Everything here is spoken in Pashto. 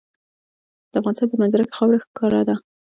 د افغانستان په منظره کې خاوره ښکاره ده.